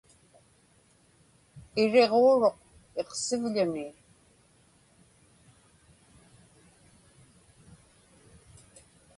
Iriġuuruq iqsivḷuni.